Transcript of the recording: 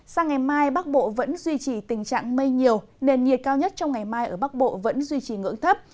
sang ngày mai bắc bộ vẫn duy trì tình trạng mây nhiều nền nhiệt cao nhất trong ngày mai ở bắc bộ vẫn duy trì ngưỡng thấp